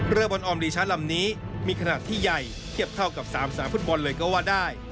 เรือบนออมลีชะลำนี้มีขนาดที่ใหญ่เทียบเท่ากับ๓สนามฟุตบอลเลยก็ว่าได้